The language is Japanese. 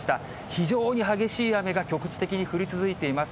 非常に激しい雨が局地的に降り続いています。